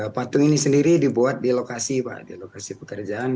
patung ini sendiri dibuat di lokasi pak di lokasi pekerjaan